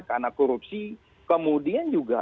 karena korupsi kemudian juga